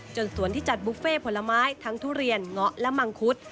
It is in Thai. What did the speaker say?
สวนที่จัดบุฟเฟ่ผลไม้ทั้งทุเรียนเงาะและมังคุด